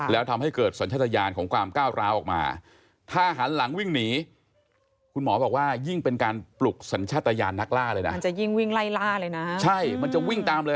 แล้วทำให้เกิดสัญชาตยานของความก้าวร้าออกมา